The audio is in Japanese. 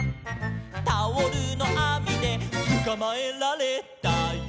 「タオルのあみでつかまえられたよ」